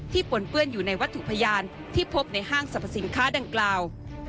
ปนเปื้อนอยู่ในวัตถุพยานที่พบในห้างสรรพสินค้าดังกล่าว